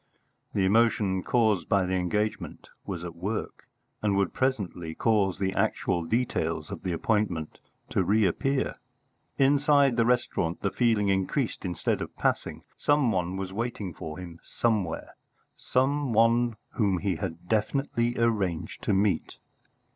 The emotion caused by the engagement was at work, and would presently cause the actual details of the appointment to reappear. Inside the restaurant the feeling increased, instead of passing: some one was waiting for him somewhere some one whom he had definitely arranged to meet.